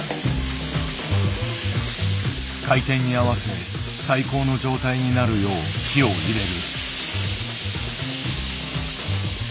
開店に合わせ最高の状態になるよう火を入れる。